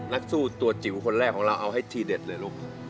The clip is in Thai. นักสู้ตัวจิ๋วคนแรกของเราเอาให้ทีเด็ดเลยลูก